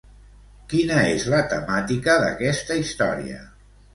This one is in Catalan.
Quina és la temàtica d'aquesta història?